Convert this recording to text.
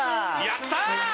やったー！